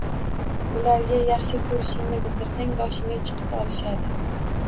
Ularga yaxshi ko`rishingni bildirsang boshingga chiqib olishadi